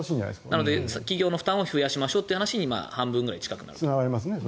なので企業の負担を増やしましょうという話に近くなると。